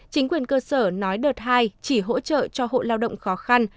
chính quyền cơ sở nói đợt hai chỉ hỗ trợ cho hộ lao động khó khăn